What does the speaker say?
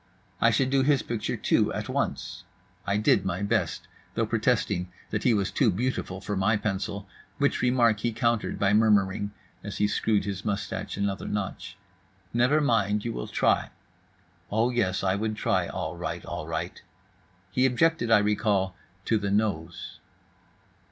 I should do his picture, too, at once. I did my best; though protesting that he was too beautiful for my pencil, which remark he countered by murmuring (as he screwed his moustache another notch), "Never mind, you will try." Oh, yes, I would try all right, all right. He objected, I recall, to the nose.